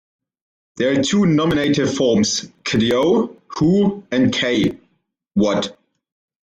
There are two nominative forms: "kdo" "who" and "kaj" "what".